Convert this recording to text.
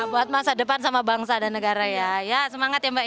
buat masa depan sama bangsa dan negara ya ya semangat ya mbak